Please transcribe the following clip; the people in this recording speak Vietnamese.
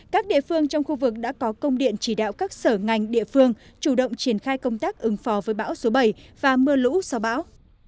các địa phương trong khu vực đã có công điện chỉ đạo các sở ngành địa phương chủ động triển khai công tác ứng phó với bão số bảy và mưa lũ sau bão